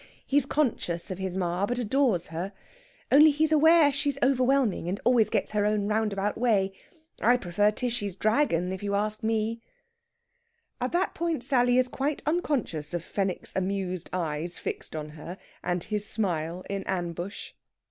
He's conscious of his ma, but adores her. Only he's aware she's overwhelming, and always gets her own roundabout way. I prefer Tishy's dragon, if you ask me." At that point Sally is quite unconscious of Fenwick's amused eyes fixed on her, and his smile in ambush.